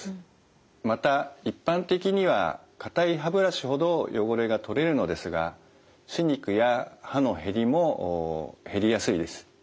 また一般的には硬い歯ブラシほど汚れが取れるのですが歯肉や歯の減りも減りやすいです。